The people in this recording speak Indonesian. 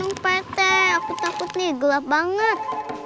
apa pak teh aku takut nih gelap banget